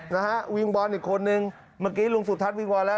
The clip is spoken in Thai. นะฮะวิงบอลอีกคนนึงเมื่อกี้ลุงสุทัศนวิงวอนแล้ว